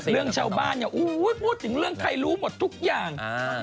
เรื่องชาวบ้านเนี่ยพูดถึงเรื่องใครรู้หมดทุกอย่าง